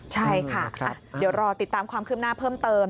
ใช่ค่ะเดี๋ยวรอติดตามความคืบหน้าเพิ่มเติม